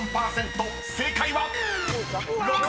［正解は⁉］